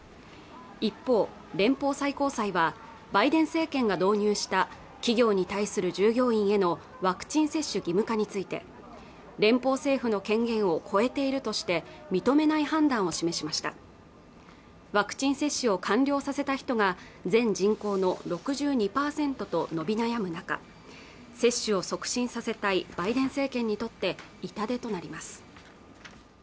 一方連邦最高裁はバイデン政権が導入した企業に対する従業員へのワクチン接種義務化について連邦政府の権限を超えているとして認めない判断を示しましたワクチン接種を完了させた人が全人口の６２％と伸び悩む中接種を促進させたいバイデン政権にとって痛手となります